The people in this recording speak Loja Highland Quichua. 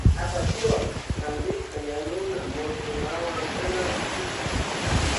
Apachiwan rantishka yanuna muruwankuna kipita.